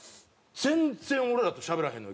全然俺らとしゃべらへんのよ。